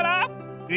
え？